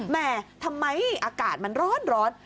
แม่ทำไมอากาศมันร้อน